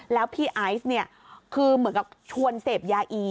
แล้วพี่ไอซ์เนี่ยคือเหมือนกับชวนเสพยาอี